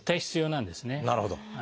なるほど。